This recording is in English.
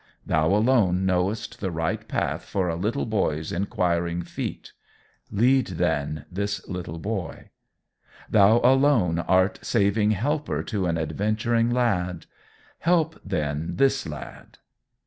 Thou alone knowest the right path for a little boy's inquiring feet: lead then this little boy. Thou alone art saving helper to an adventuring lad: help then this lad.